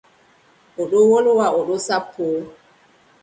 O ɗon wolwa o ɗon sappoo.